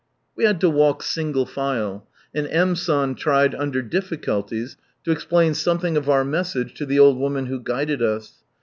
We had to walk single file ; and M. San tried, under difficulties, to explain something of our message to the old woman who guided us.